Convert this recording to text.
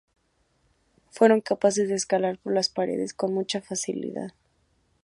Fueron capaces de escalar por las paredes con mucha facilidad.